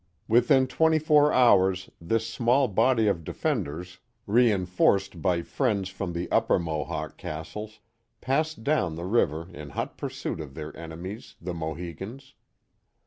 Within twenty four hours this small body of defenders, rein forced by friends from the upper Mohawk castles, passed down the river in hot pursuit of their enemies, the Mohicans.